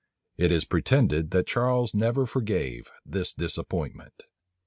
It is pretended that Charles never forgave this disappointment.